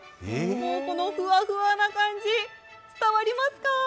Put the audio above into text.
もうこのふわふわな感じ、伝わりますか？